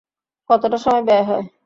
কতটা সময় ব্যয় হয়।